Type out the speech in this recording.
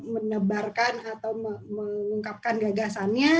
menebarkan atau mengungkapkan gagasannya